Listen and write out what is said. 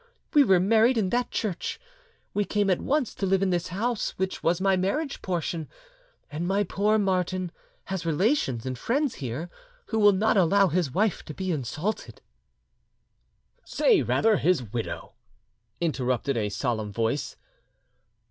We were married in that church, we came at once to live in this house, which was my marriage portion, and my poor Martin has relations and friends here who will not allow his wife to be insulted—" "Say rather, his widow," interrupted a solemn voice.